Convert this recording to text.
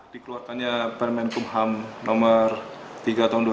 dikeluarkannya permen hukum ham nomor tiga tahun dua ribu